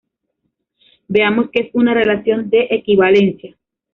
Veamos que es una relación de equivalencia.